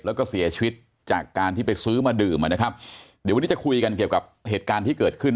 แล้วก็เสียชีวิตจากการที่ไปซื้อมาดื่มนะครับเดี๋ยววันนี้จะคุยกันเกี่ยวกับเหตุการณ์ที่เกิดขึ้น